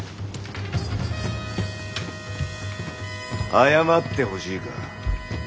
謝ってほしいか？